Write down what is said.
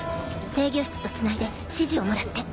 制御室とつないで指示をもらって。